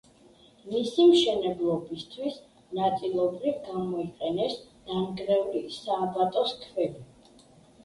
მისი მშენებლობისთვის ნაწილობრივ გამოიყენეს დანგრეული სააბატოს ქვები.